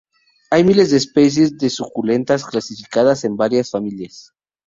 Hay miles de especies de suculentas, clasificadas en varias familias.